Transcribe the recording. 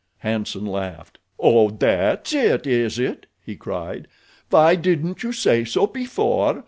Hanson laughed. "Oh, that's it, is it?" he cried. "Why didn't you say so before?